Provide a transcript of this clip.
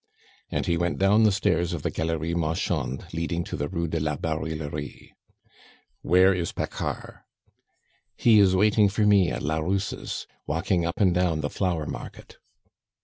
And he went down the stairs of the Galerie Marchande leading to the Rue de la Barillerie. "Where is Paccard?" "He is waiting for me at la Rousse's, walking up and down the flower market."